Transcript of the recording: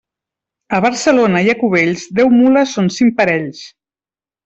A Barcelona i a Cubells, deu mules són cinc parells.